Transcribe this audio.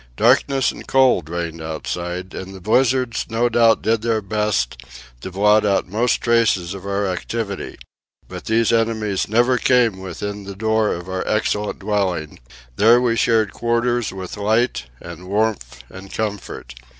Darkness and cold reigned outside, and the blizzards no doubt did their best to blot out most traces of our activity, but these enemies never came within the door of our excellent dwelling; there we shared quarters with light and warmth and comfort.